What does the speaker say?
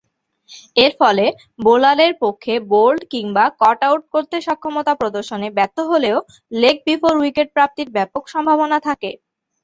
এরফলে বোলারের পক্ষে বোল্ড কিংবা কট-আউট করতে সক্ষমতা প্রদর্শনে ব্যর্থ হলেও লেগ বিফোর উইকেট প্রাপ্তির ব্যাপক সম্ভাবনা থাকে।